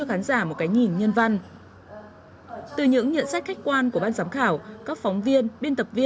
đánh giá về chất lượng của tác phẩm